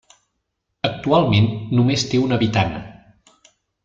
Actualment només té un habitant.